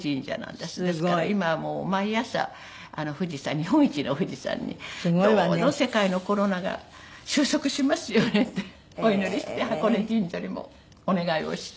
ですから今はもう毎朝富士山日本一の富士山に「どうぞ世界のコロナが収束しますように」ってお祈りして箱根神社にもお願いをして。